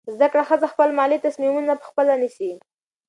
زده کړه ښځه خپل مالي تصمیمونه پخپله نیسي.